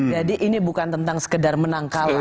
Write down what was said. jadi ini bukan tentang sekedar menengkalah